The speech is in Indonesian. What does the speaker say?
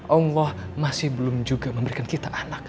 allah masih belum juga memberikan kita anak